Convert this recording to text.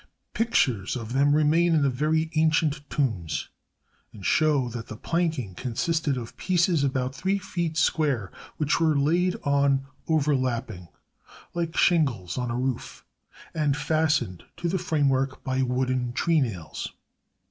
Pictures of them remain in the very ancient tombs, and show that the planking consisted of pieces about three feet square, which were laid on overlapping, like shingles on a roof, and fastened to the framework by wooden treenails.